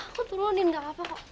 aku turunin gak apa apa kok